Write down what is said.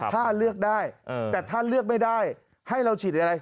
ถ้าเลือกได้แต่ถ้าเลือกไม่ได้ให้เราฉีดอะไร